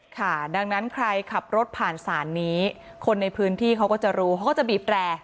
ค่ะดังนั้นใครขับรถผ่านศาลนี้คนในพื้นที่เขาก็จะรู้เขาก็จะบีบแตร